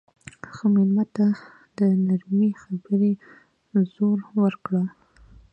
مېلمه ته د نرمې خبرې زور ورکړه.